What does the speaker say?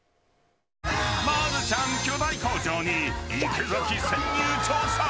マルちゃん巨大工場に池崎潜入調査！